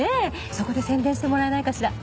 そこで宣伝してもらえないかしら？